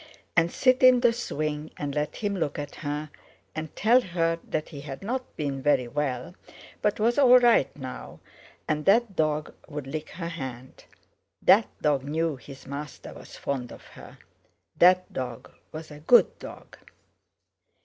and sit in the swing and let him look at her and tell her that he had not been very well but was all right now; and that dog would lick her hand. That dog knew his master was fond of her; that dog was a good dog.